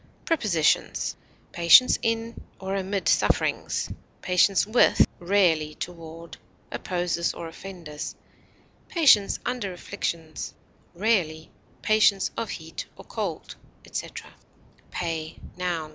Prepositions: Patience in or amid sufferings; patience with (rarely toward) opposers or offenders; patience under afflictions; (rarely) patience of heat or cold, etc. PAY, _n.